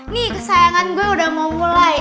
nih kesayangan gue udah mau mulai